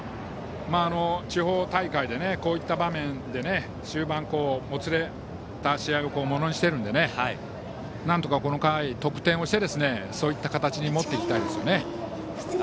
地方大会でこういった場面で終盤もつれた試合をものにしてるのでなんとかこの回、得点をしてそういった形に持っていきたいですよね。